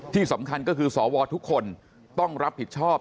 ที่สำคัญก็คือสวทุกคนต้องรับผิดชอบ